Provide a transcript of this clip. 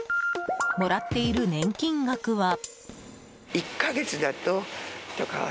もらっている年金額は。